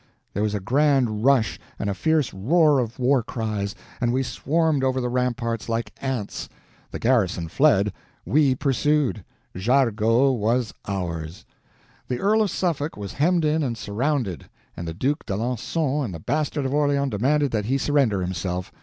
There was a grand rush, and a fierce roar of war cries, and we swarmed over the ramparts like ants. The garrison fled, we pursued; Jargeau was ours! The Earl of Suffolk was hemmed in and surrounded, and the Duke d'Alencon and the Bastard of Orleans demanded that he surrender himself.